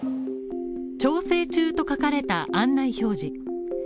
「調整中」と書かれた案内表示。